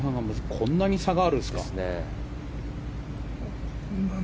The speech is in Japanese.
こんなに差があるんですか。